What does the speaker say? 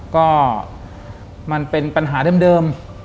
ก็มันเป็นปัญหาเดิม